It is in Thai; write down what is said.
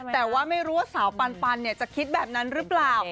แต่ว่าไม่รู้ว่าสาวปันจะคิดแบบนั้นหรือเปล่า